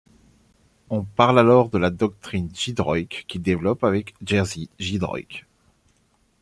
On parle alors de la doctrine Giedroyc qu'il développe avec Jerzy Giedroyc.